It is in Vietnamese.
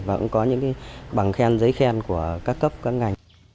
và cũng có những bằng khen giấy khen của các cấp các ngành